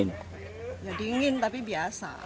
nggak dingin tapi biasa